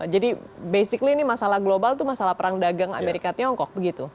basically ini masalah global itu masalah perang dagang amerika tiongkok begitu